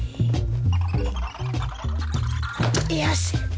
よし。